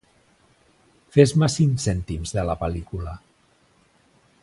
Fes-me cinc cèntims de la pel·lícula.